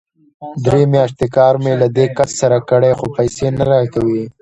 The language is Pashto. درې مياشتې کار مې له دې کس سره کړی، خو پيسې نه راکوي!